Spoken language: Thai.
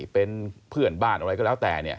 เป็นเพื่อนบ้านอะไรก็แล้วแต่เนี่ย